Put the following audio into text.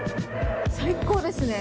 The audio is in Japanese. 最高ですね！